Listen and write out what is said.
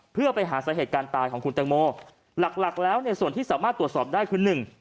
เพื่อไปหาสาเหตุการณ์ตายของคุณแตงโมหลักหลักแล้วเนี่ยส่วนที่สามารถตรวจสอบได้คือหนึ่ง